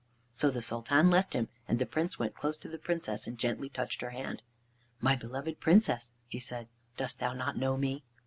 So the Sultan left him, and the Prince went close to the Princess, and gently touched her hand. "My beloved Princess," he said, "dost thou not know me?"